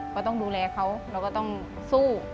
ก็ต้องดูแลเขาเราก็ต้องสู้